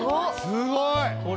すごい。